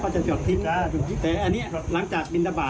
ก็อาจจะเป็นคนมาเข้าห้องน้ำ